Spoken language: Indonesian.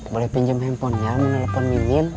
boleh pinjam handphonenya mau nelfon mimin